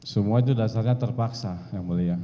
semua itu dasarnya terpaksa yang mulia